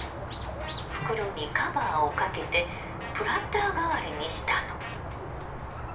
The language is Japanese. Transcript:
袋にカバーをかけてプランター代わりにしたの。